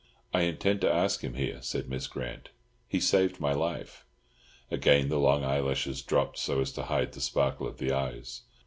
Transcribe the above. "I intend to ask him here," said Miss Grant. "He saved my life." Again the long eyelashes dropped so as to hide the sparkle of the eyes.